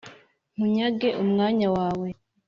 nkunyage umwanya wawe.